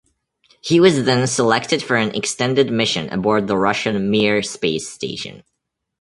He was then selected for an extended mission aboard the Russian Mir space station.